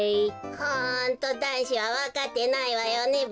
ホントだんしはわかってないわよねべ。